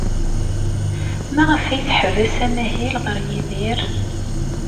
Maɣef ay teḥbes amahil ɣer Yidir?